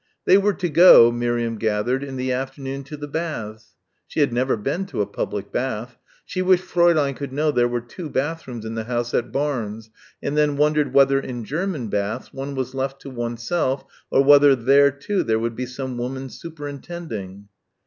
They were to go, Miriam gathered, in the afternoon to the baths.... She had never been to a public baths.... She wished Fräulein could know there were two bathrooms in the house at Barnes, and then wondered whether in German baths one was left to oneself or whether there, too, there would be some woman superintending.